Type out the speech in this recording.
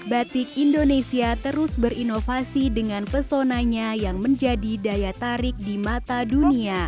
batik indonesia terus berinovasi dengan pesonanya yang menjadi daya tarik di mata dunia